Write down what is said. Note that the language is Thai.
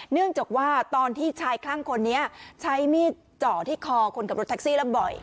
เนื่องจากว่าตอนที่ชายข้างคนนี้ใช้มีดจ่อที่คอคนกับรถท็อกซี่เร่งบ่อย